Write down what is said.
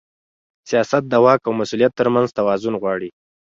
سیاست د واک او مسؤلیت ترمنځ توازن غواړي